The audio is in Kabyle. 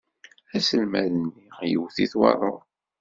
Aselmad-nni iwet-it waḍu.